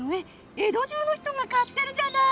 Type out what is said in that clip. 江戸中の人が買ってるじゃない！